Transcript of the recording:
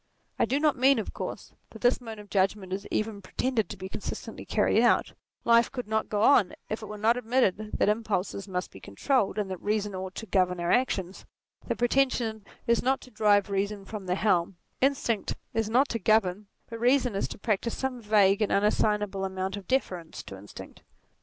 I do not mean, of course, that this mode of judgment is even pre tended to be consistently carried out : life could not go on if it were not admitted that impulses must be controlled, and that reason ought to govern our actions. The pretension is not to drive Eeason from the helm but rather to bind her by articles to steer only in a particular way. Instinct is not to govern, but reason is to practise some vague and unassignable amount of deference to Instinct.